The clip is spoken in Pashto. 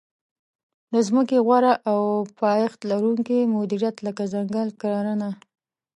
د ځمکې غوره او پایښت لرونکې مدیریت لکه ځنګل کرنه.